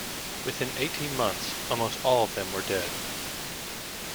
Within eighteen months almost all of them were dead.